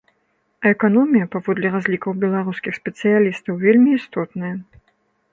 А эканомія, паводле разлікаў беларускіх спецыялістаў, вельмі істотная.